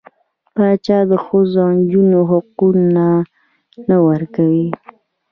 پاچا د ښځو او نجونـو حقونه نه ورکوي .